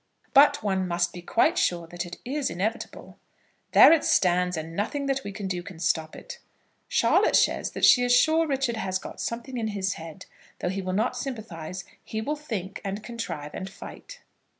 "But one must be quite sure that it is inevitable." "There it stands, and nothing that we can do can stop it." "Charlotte says that she is sure Richard has got something in his head. Though he will not sympathise, he will think and contrive and fight."